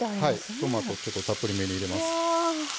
トマトちょっとたっぷりめに入れます。